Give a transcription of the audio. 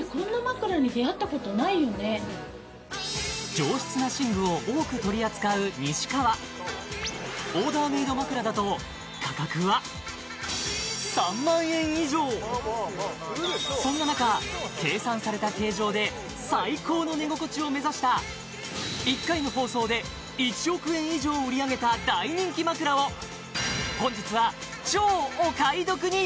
上質な寝具を多く取り扱う西川オーダーメイド枕だと価格は３万円以上そんな中計算された形状で最高の寝心地を目指した１回の放送で１億円以上売り上げた大人気枕を本日は超お買い得に！